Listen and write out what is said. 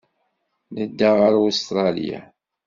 Nedda ɣer Ustṛalya.